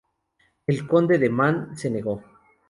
El Conde de Man se negó.